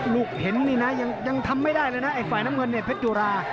เห็นนี่นะยังทำไม่ได้เลยนะไอ้ฝ่ายน้ำเงินเนี่ยเพชรจุรา